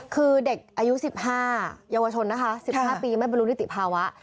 คือเด็กอายุ๑๕เยาวชนนะคะ๑๕ปีไม่บรรลุนิติภาวะ